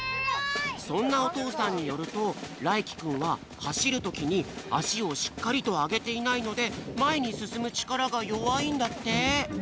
そんなおとうさんによるとらいきくんははしるときにあしをしっかりとあげていないのでまえにすすむちからがよわいんだって！